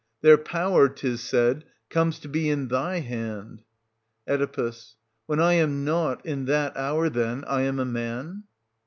Their power, 'tis said, comes to be in thy hand. Oe. When I am nought, in that hour, then, I am a man?